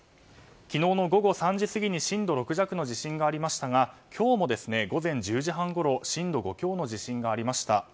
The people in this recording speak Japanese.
昨日の午後３時過ぎに震度６弱の地震がありましたが今日も午前１０時半ごろ震度５強の地震がありました。